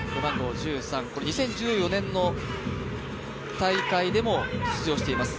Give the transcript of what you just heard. ２０１４年の大会でも出場しています。